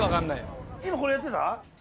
今これやってた？